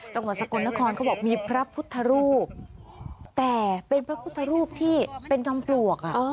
จังหวัดสกลนครเขาบอกมีพระพุทธรูปแต่เป็นพระพุทธรูปที่เป็นจอมปลวก